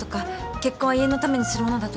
結婚は家のためにするものだとか。